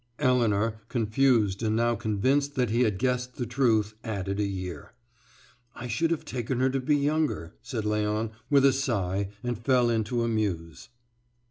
Elinor, confused and now convinced that he had guessed the truth, added a year. "I should have taken her to be younger," said Léon, with a sign and fell into a muse.